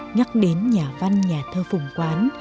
nhắc đến nhà văn nhà thơ phùng quán